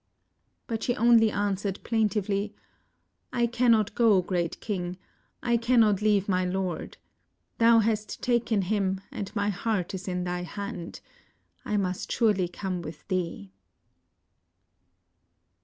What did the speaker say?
But she only answered plaintively, "I cannot go, great king. I cannot leave my lord. Thou hast taken him, and my heart is in thy hand, I must surely come with thee."